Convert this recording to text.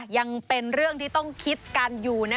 ยังเป็นเรื่องที่ต้องคิดกันอยู่